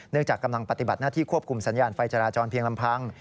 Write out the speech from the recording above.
จากกำลังปฏิบัติหน้าที่ควบคุมสัญญาณไฟจราจรเพียงลำพัง